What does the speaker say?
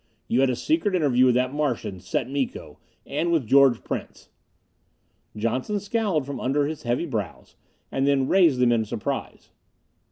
"You had a secret interview with that Martian, Set Miko, and with George Prince!" Johnson scowled from under his heavy brows, and then raised them in surprise.